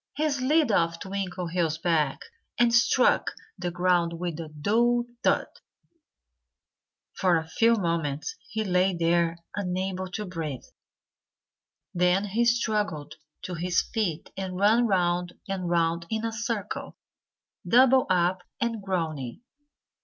He slid off Twinkleheels' back and struck the ground with a dull thud. For a few moments he lay there, unable to breathe. Then he struggled to his feet and ran round and round in a circle, doubled up and groaning.